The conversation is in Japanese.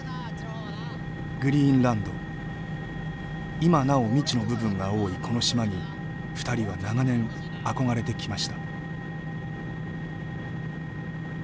今なお未知の部分が多いこの島に２人は長年あこがれてきました。